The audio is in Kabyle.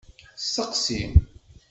Steqsi!